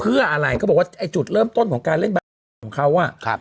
เพื่ออะไรก็บอกว่าจุดเริ่มต้นของการเล่นบ้าจริงของเขา